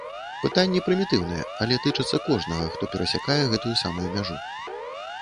Пытанні прымітыўныя, але тычацца кожнага, хто перасякае гэтую самую мяжу.